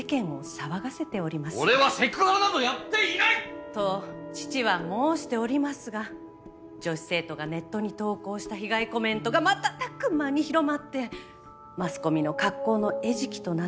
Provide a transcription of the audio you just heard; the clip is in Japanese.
俺はセクハラなどやっていない！と父は申しておりますが女子生徒がネットに投稿した被害コメントが瞬く間に広まってマスコミの格好の餌食となってしまっています。